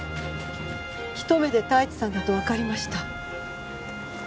ひと目で太一さんだとわかりました。